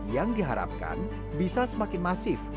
yang diharapkan bisa semakin masif